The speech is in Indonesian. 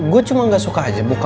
gue cuma gak suka aja bokap gue